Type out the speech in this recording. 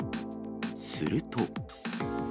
すると。